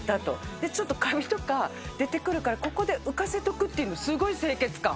で、ちょっとカビとか出てくるから、ここで浮かせておくっていうの、すごい清潔感。